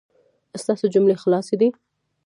ستاسو جملې خلاصې دي